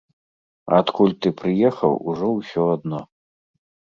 А адкуль ты прыехаў, ужо ўсё адно.